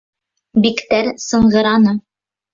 Биктәр сыңғыраны.